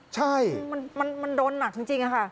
ใช่มันโดนหนักจริงค่ะ